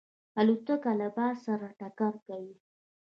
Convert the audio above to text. الوتکه له باد سره ټکر کوي.